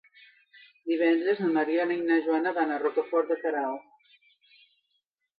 Divendres na Mariona i na Joana van a Rocafort de Queralt.